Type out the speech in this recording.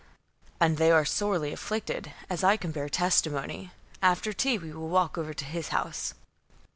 "And they are sorely afflicted, as I can bear testimony. After tea we will walk over to his house."